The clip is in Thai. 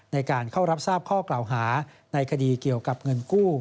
ในการเข้ารับทราบข้อกล่าวหาในคดีเกี่ยวกับเงินกู้